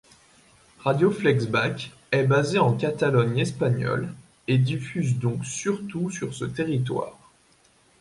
Ràdio Flaixbac est basée en Catalogne espagnole, et diffuse donc surtout sur ce territoire.